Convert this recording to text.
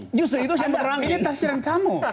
ini taksiran kamu